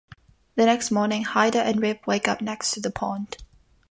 The next morning, Hyder and Rip wake up next to the pond.